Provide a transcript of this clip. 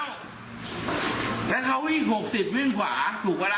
แล้วเขาวิ่ง๖๐วิ่งขวาถูกปะล่ะ